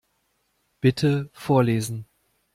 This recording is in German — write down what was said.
Bitte vorlesen.